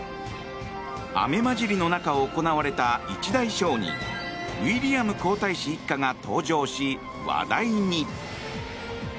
雨交じりの中、行われた一大ショーにウィリアム皇太子一家が登場し話題に。